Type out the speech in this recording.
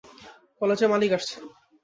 কলেজের মালিক আসছেন।